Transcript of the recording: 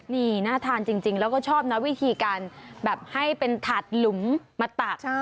นี่น่าทานจริงแล้วก็ชอบนะวิธีการแบบให้เป็นถาดหลุมมาตัก